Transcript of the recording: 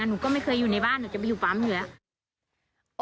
หนูก็ไม่เคยอยู่ในบ้านหนูจะไปอยู่ปั๊มอยู่แล้ว